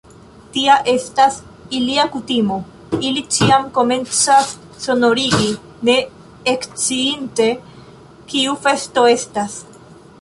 Tia estas ilia kutimo; ili ĉiam komencas sonorigi, ne eksciinte, kiu festo estas!